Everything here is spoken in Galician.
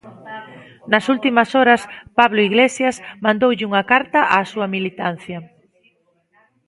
Nas últimas horas, Pablo Iglesias mandoulle unha carta á súa militancia.